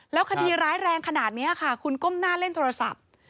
แล้วคดีร้ายแรงขนาดนี้ค่ะคุณก้มหน้าเล่นโทรศัพท์